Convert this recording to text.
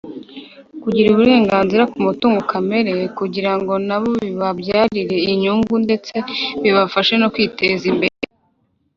Kugira Uburenganzira ku mutungo kamere kugira ngo nabo bibabyarire inyungu ndetse bibafashe no kwiteza imbere.